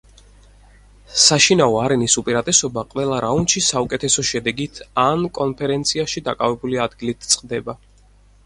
საშინაო არენის უპირატესობა ყველა რაუნდში საუკეთესო შედეგით ან კონფერენციაში დაკავებული ადგილით წყდება.